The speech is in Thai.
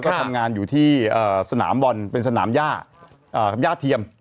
ใช่แล้วก็ทำงานอยู่ที่สนามบอลเป็นสนามหญ้าหญ้าเทียม